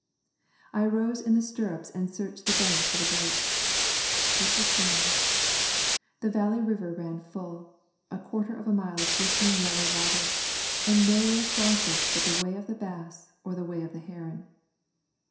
I arose in the stirrups and searched the bank for the boat. It was gone. The Valley River ran full, a quarter of a mile of glistening yellow water, and no way across it but the way of the bass or the way of the heron.